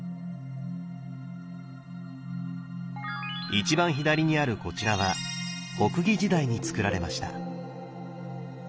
一番左にあるこちらは北魏時代につくられました。